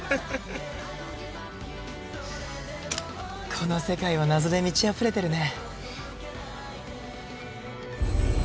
この世界は謎で満ちあふれてるね。